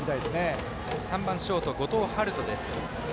バッター３番ショート、後藤陽人です。